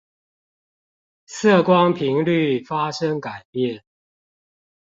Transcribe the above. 色光頻率發生改變